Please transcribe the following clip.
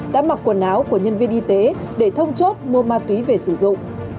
đã mặc quần áo của nhân viên y tế để thông chốt mua ma túy về sử dụng